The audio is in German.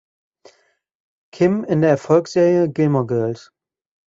Kim" in der Erfolgsserie "Gilmore Girls".